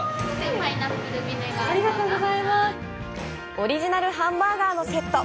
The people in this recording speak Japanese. オリジナルハンバーガーのセット。